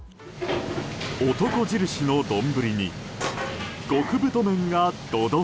男印のどんぶりに極太麺がドドン。